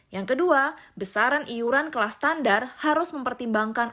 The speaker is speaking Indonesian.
yang kedua besaran iuran kelas standar harus mempertimbangkan